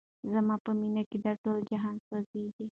زما په مینه کي دا ټول جهان سوځیږي